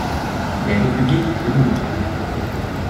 La République dominicaine.